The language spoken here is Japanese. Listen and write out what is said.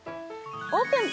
オープン！